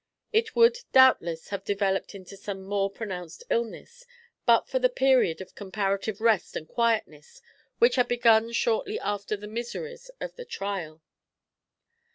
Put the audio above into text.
It would doubtless have developed into some more pronounced illness, but for the period of comparative rest and quietness which had begun shortly after the miseries of the trial.